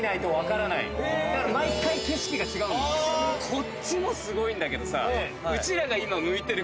こっちもすごいんだけどさ。